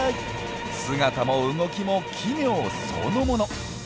姿も動きも奇妙そのもの。